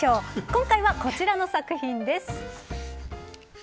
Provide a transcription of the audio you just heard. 今回は、こちらの作品です。